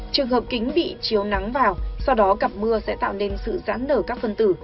trường hợp kính bị chiếu nắng vào sau đó cặp mưa sẽ tạo nên sự giãn nở các phân tử